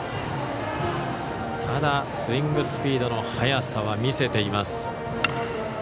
ただ、スイングスピードの速さは見せています。